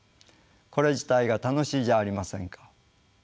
これ自体が楽しいじゃありませんか。